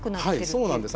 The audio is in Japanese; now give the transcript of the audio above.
そうなんです。